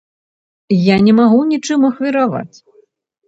Я не магу ні чым ахвяраваць.